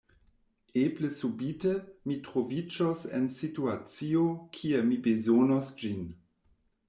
Eble subite, mi troviĝos en situacio, kie mi bezonos ĝin.